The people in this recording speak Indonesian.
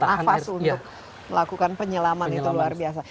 nafas untuk melakukan penyelaman itu luar biasa